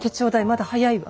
まだ早いわ。